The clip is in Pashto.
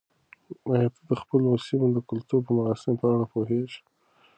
آیا ته د خپلې سیمې د کلتوري مراسمو په اړه پوهېږې؟